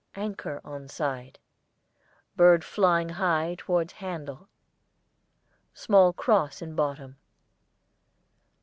Anchor on side. Bird flying high towards handle. Small cross in bottom.